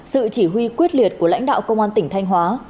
sự chỉ huy quyết liệt của lãnh đạo công an tỉnh thanh hóa